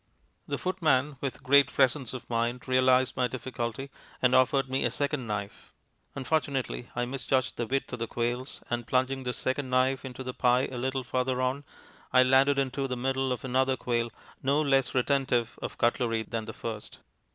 The footman, with great presence of mind, realized my difficulty and offered me a second knife. Unfortunately, I misjudged the width of quails, and plunging this second knife into the pie a little farther on, I landed into the middle of another quail no less retentive of cutlery than the first.